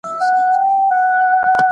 د توري ټپ به جوړسي، د ژبي ټپ نه جوړېږي.